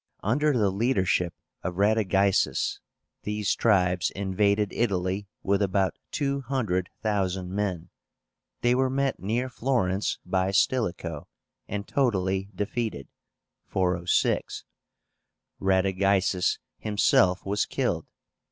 Under the leadership of RADAGAISUS, these tribes invaded Italy with about two hundred thousand men. They were met near Florence by Stilicho, and totally defeated (406). Radagaisus himself was killed.